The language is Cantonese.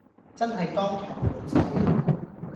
真係當堂無哂癮